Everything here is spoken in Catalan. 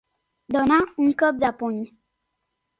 Donar un cop de puny.